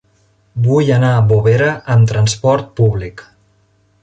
Vull anar a Bovera amb trasport públic.